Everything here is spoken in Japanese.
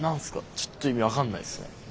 ちょっと意味分かんないっすね。